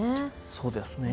そうですね。